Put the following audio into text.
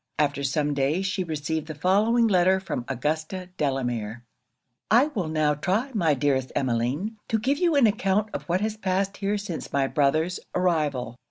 After some days she received the following letter from Augusta Delamere. 'I will now try, my dearest Emmeline, to give you an account of what has passed here since my brother's arrival.